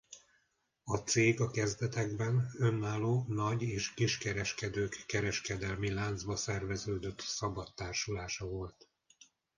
A cég a kezdetekben önálló nagy- és kiskereskedők kereskedelmi láncba szerveződött szabad társulása volt.